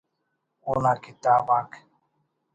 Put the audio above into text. اونا کتاب آک